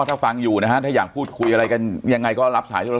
ถ้าฟังอยู่นะฮะถ้าอยากพูดคุยอะไรกันยังไงก็รับสายโทรศ